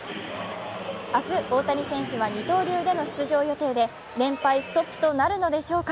明日、大谷選手は二刀流での出場予定で、連敗ストップとなるのでしょうか。